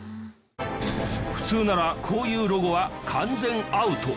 普通ならこういうロゴは完全アウト。